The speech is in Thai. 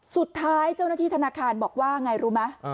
เจ้าหน้าที่ธนาคารบอกว่าไงรู้ไหม